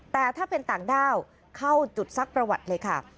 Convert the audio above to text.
แต่ถ้าเป็นต่างด้าวเข้าจุดซักประวัติเลยค่ะ